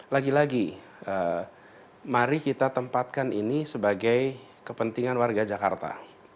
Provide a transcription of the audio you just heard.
lagi lagi mari kita tempatkan ini sebagai kepentingan warga jakarta